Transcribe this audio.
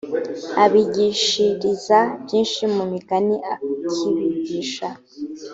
abigishiriza byinshi mu migani akibigisha